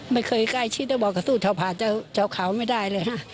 ไม่เคยใกล้ชิดได้บอกว่าสู้เฉาผ่านเฉาขาวไม่ได้เลย